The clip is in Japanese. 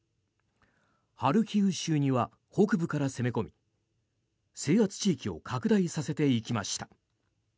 ハルキウ州には北部から攻め込み制圧地域を拡大させていきました。